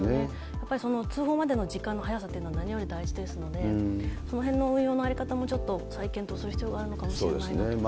やっぱり通報までの時間の速さっていうのは、何より大事ですので、そのへんの運用の在り方も、ちょっと再検討する必要があるのかなと思います。